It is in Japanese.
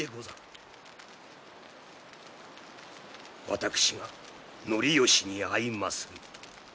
私が教能に会いまする。